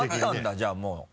じゃあもう。